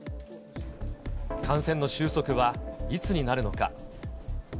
感染の収束はいつになるのか。